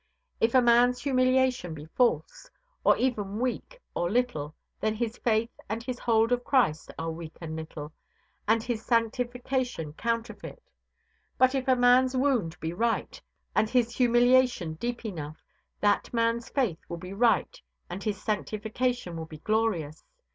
If a man's humiliation be false, or even weak or little, then his faith and his hold of Christ are weak and little, and his sanctification counterfeit. But if a man's wound be right, and his humiliation deep enough, that man's faith will be right and his sanctification will be glorious.